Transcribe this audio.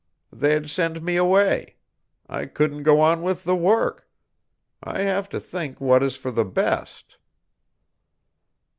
They'd send me away. I couldn't go on with the work. I have to think what is for the best."